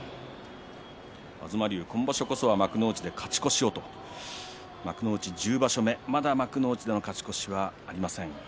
東龍、今場所こそは幕内で勝ち越しを幕内１０場所目まだ幕内での勝ち越しはありません。